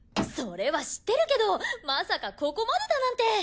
それは知ってるけどまさかここまでだなんて！